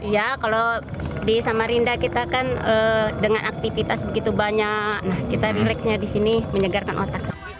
ya kalau di samarinda kita kan dengan aktivitas begitu banyak kita relaxnya di sini menyegarkan otak